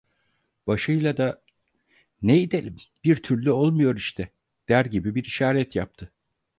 Başıyla da: "Ne idelim, bir türlü olmuyor işte!" der gibi bir işaret yaptı.